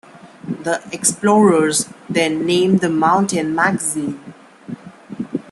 The explorers then named the mountain "Magazine".